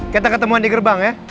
kita ketemuan di gerbang